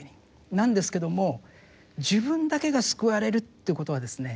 なんですけども自分だけが救われるということはですね